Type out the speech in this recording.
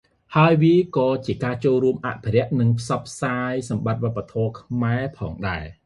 ហើយវាក៏ជាការចូលរួមអភិរក្សនិងផ្សព្វផ្សាយសម្បត្តិវប្បធម៌ខ្មែរផងដែរ។